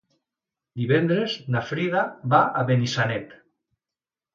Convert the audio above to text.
Divendres na Frida va a Benissanet.